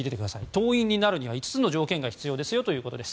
党員になるには５つの条件が必要ですよということです。